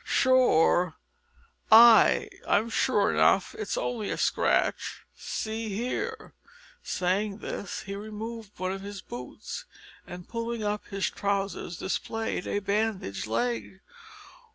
"Sure? ay, I'm sure enough; it's only a scratch. See here." Saying this he removed one of his boots, and pulling up his trousers displayed a bandaged leg.